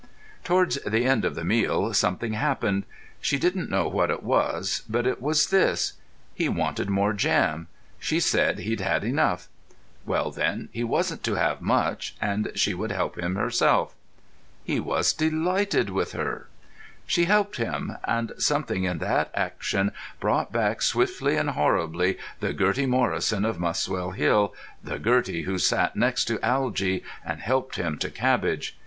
Towards the end of the meal something happened. She didn't know what it was, but it was this. He wanted more jam; she said he'd had enough. Well, then, he wasn't to have much, and she would help him herself. He was delighted with her. She helped him ... and something in that action brought back swiftly and horribly the Gertie Morrison of Muswell Hill, the Gertie who sat next to Algy and helped him to cabbage.